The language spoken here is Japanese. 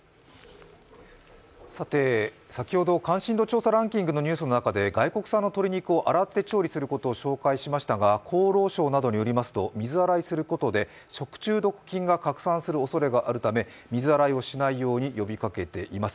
さて、先ほど関心度調査ランキングの中で外国産の鶏肉を洗って調理することを紹介しましたが厚労省などによりますと、水洗いすることで食中毒菌が拡散するおそれがあるため水洗いをしないように呼びかけています。